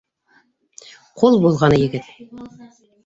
Ҡул болғаны егет: